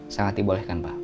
sangat dibolehkan pak